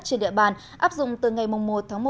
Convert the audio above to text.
trên địa bàn áp dụng từ ngày một tháng một